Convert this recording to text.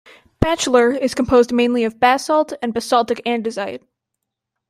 Bachelor is composed mainly of basalt and basaltic andesite.